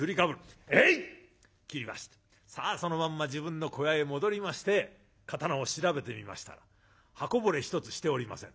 斬りましてさあそのまんま自分の小屋へ戻りまして刀を調べてみましたら刃こぼれ一つしておりません。